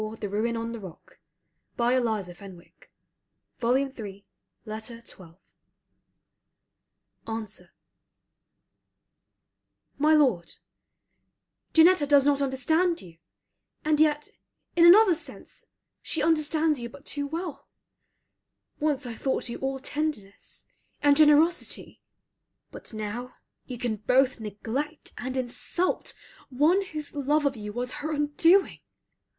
Thine, whilst I had love and money, FILMAR LETTER XII ANSWER My Lord, Janetta does not understand you, and yet in another sense she understands you but too well. Once I thought you all tenderness, and generosity, but now you can both neglect and insult one whose love of you was her undoing.